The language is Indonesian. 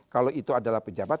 kalau itu adalah pejabat